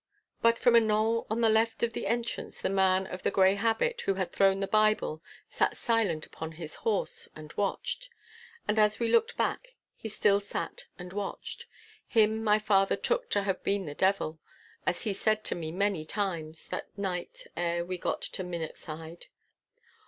But from a knoll on the left of the entrance the man of the grey habit, he who had thrown the Bible, sat silent upon his horse and watched. And as we looked back, he still sat and watched. Him my father took to have been the devil, as he said to me many times that night ere we got to Minnochside.